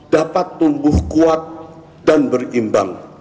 dapat tumbuh kuat dan berimbang